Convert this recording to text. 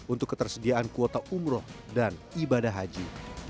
untuk ketersediaan kuota umroh dan ibadah haji